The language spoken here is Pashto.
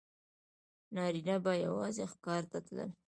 نارینه به یوازې ښکار ته تلل.